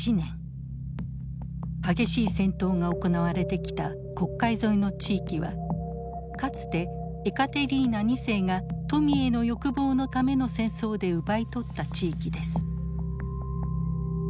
激しい戦闘が行われてきた黒海沿いの地域はかつてエカテリーナ２世が富への欲望のための戦争で奪い取った地域です。